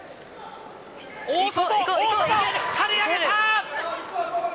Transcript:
大外、跳ね上げた。